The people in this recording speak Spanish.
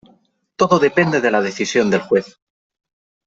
Todo depende de la decisión del juez.